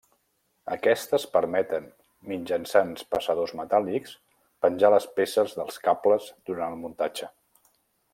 Aquestes permeten, mitjançant passadors metàl·lics, penjar les peces dels cables durant el muntatge.